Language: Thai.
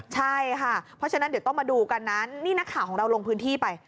ใช่ค่ะเพราะฉะนั้นเดี๋ยวต้องมาดูกันนั้นนี่นักข่าวของเราลงพื้นที่ไป